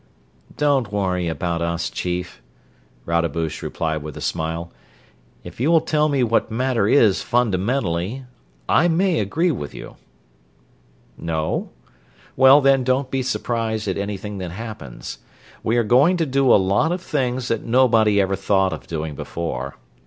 "Don't worry about us, Chief." Rodebush replied with a smile. "If you will tell me what matter is, fundamentally, I may agree with you ... No? Well, then, don't be surprised at anything that happens. We are going to do a lot of things that nobody ever thought of doing before."